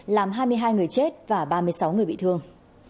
làm hai mươi hai người chết và ba mươi sáu người bị thương